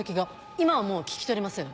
今はもう聞き取れません。